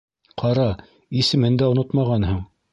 Ҡара, исемен дә онотмағанһың.